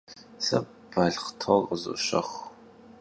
Se balhtor khızoşexu.